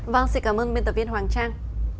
vâng xin cảm ơn biên tập viên hoàng trang